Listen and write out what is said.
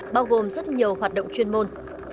bao gồm rất nhiều hoạt động chuyên môn